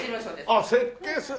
あっ設計する。